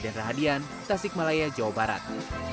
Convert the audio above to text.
den rahadian tasik malaya jawa barat